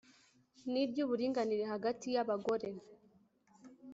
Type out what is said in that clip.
N’iry’uburinganire hagati y’abagore